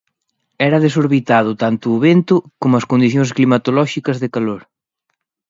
Era desorbitado tanto o vento como as condicións climatolóxicas de calor.